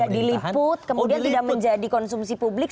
tidak diliput kemudian tidak menjadi konsumsi publik